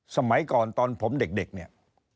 สมัยก่อนตอนผมเด็กเนี่ย